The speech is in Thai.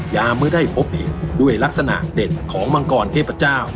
ยาเมื่อได้พบเห็นด้วยลักษณะเด่นของมังกรเทพเจ้า